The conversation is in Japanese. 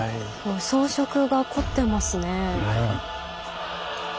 装飾が凝ってますね。